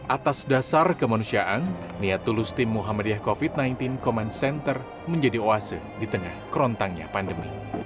atas dasar kemanusiaan niat tulus tim muhammadiyah covid sembilan belas command center menjadi oase di tengah kerontangnya pandemi